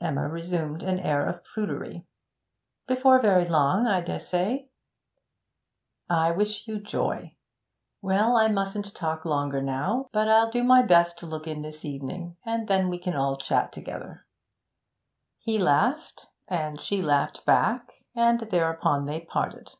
Emma resumed an air of prudery, 'Before very long, I dessay.' 'I wish you joy. Well, I mustn't talk longer now, but I'll do my best to look in this evening, and then we can all chat together.' He laughed and she laughed back; and thereupon they parted.